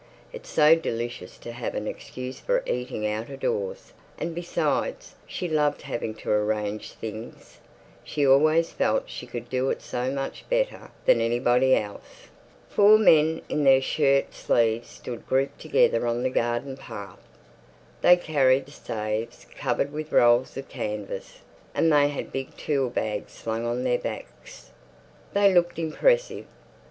It's so delicious to have an excuse for eating out of doors, and besides, she loved having to arrange things; she always felt she could do it so much better than anybody else. Four men in their shirt sleeves stood grouped together on the garden path. They carried staves covered with rolls of canvas, and they had big tool bags slung on their backs. They looked impressive.